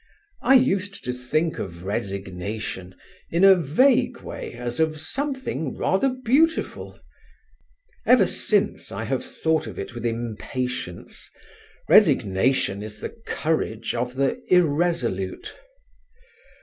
I used to think of resignation in a vague way as of something rather beautiful; ever since, I have thought of it with impatience: resignation is the courage of the irresolute.